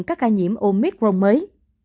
ca nhiễm omicron mới